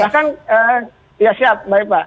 bahkan ya siap mbak eva